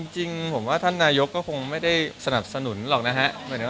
จริงผมว่าท่านนายกก็คงไม่ได้สนับสนุนหรอกนะฮะ